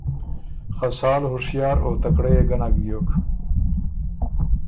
خه سال هُشیار او تکړۀ يې ګه نک بیوک